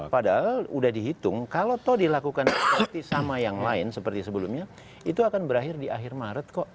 padahal sudah dihitung kalau dilakukan seperti sama yang lain seperti sebelumnya itu akan berakhir di akhir maret kok